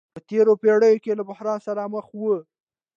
په تېره پېړۍ کې له بحران سره مخ وو.